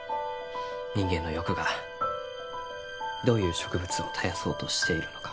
人間の欲がどういう植物を絶やそうとしているのか